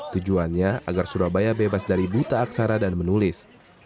tujuannya agar surabaya bebas dari buta aksara dan menulis